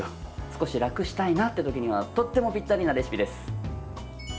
少し楽したいなというときにはとてもぴったりなレシピです。